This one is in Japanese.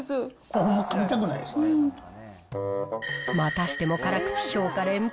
これ、またしても辛口評価連発。